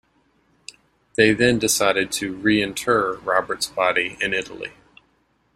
They then decided to re-inter Robert's body in Italy.